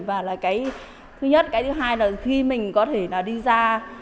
và thứ nhất thứ hai là khi mình có thể đi ra